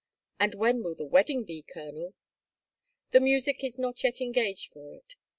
And when will the wedding be, Colonel?" "The music is not yet engaged for it.